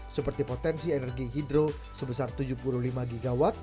seperti potensi energi hidro sebesar tujuh puluh lima gw